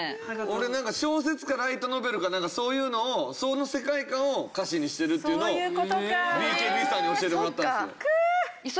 俺なんか小説かライトノベルかなんかそういうのをその世界観を歌詞にしてるっていうのをＢＫＢさんに教えてもらったんですよ。